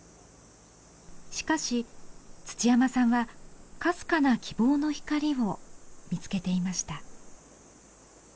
しかし土山さんはかすかな希望の光を見つけていました。